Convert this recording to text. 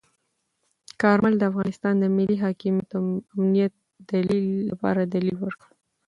کارمل د افغانستان د ملي حاکمیت او امنیت لپاره دلیل ورکړ.